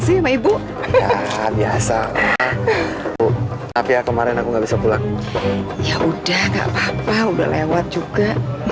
sih sama ibu biasa tapi kemarin aku nggak bisa pulang ya udah nggak apa apa udah lewat juga